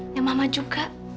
ya mama juga